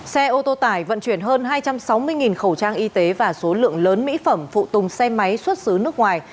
xe ô tô tải vận chuyển hơn hai trăm sáu mươi khẩu trang y tế và số lượng lớn mỹ phẩm phụ tùng xe máy xuất xứ nước ngoài